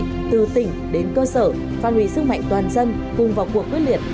chính trị từ tỉnh đến cơ sở phan hủy sức mạnh toàn dân cùng vào cuộc quyết liệt